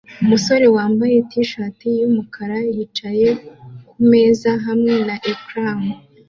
Umusore wambaye t-shati yumukara yicaye kumeza hamwe na ecran